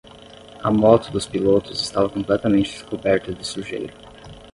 A moto dos pilotos estava completamente coberta de sujeira.